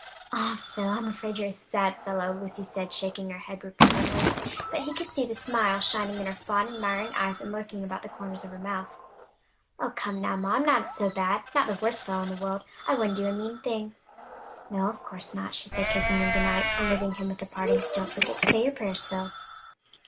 "Ah, Phil, I'm afraid you're a sad fellow!" Lucy said, shaking her head reprovingly; but he could see the smile shining in her fond, admiring eyes, and lurking about the corners of her mouth. "Oh, come now, ma, I'm not so bad; not the worst fellow in the world. I wouldn't do a mean thing." "No, of course not," she said, kissing him good night, and leaving him with a parting, "Don't forget to say your prayers, Phil."